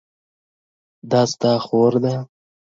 دا ستا خور ده؟